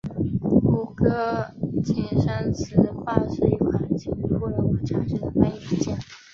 谷歌金山词霸是一款基于互联网查询的翻译软件。